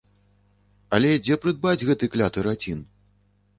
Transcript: Але дзе прыдбаць гэты кляты рацін?